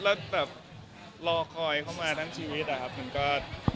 แล้วแบบรอคอยเข้ามาทั้งชีวิตอะครับมันก็